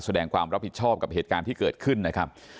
แสดงความรับผิดชอบกับเหตุการณ์ที่เกิดขึ้นนะครับ